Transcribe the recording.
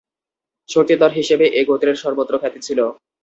শক্তিধর হিসেবে এ গোত্রের সর্বত্র খ্যাতি ছিল।